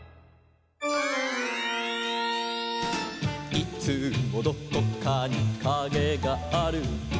「いつもどこかにかげがある」